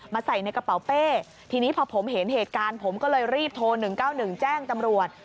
ใส่ในกระเป๋าเป้ทีนี้พอผมเห็นเหตุการณ์ผมก็เลยรีบโทร๑๙๑แจ้งตำรวจ